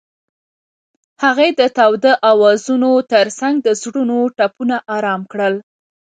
هغې د تاوده اوازونو ترڅنګ د زړونو ټپونه آرام کړل.